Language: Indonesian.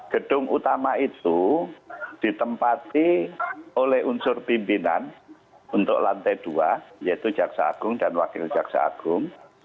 gedung utama itu ditempati oleh unsur pimpinan untuk lantai dua yaitu jaksa agung dan wakil jaksa agung